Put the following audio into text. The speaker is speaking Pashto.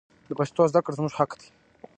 د پښتو زده کړه زموږ حق دی.